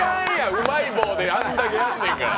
うまい棒であれだけやんねんから。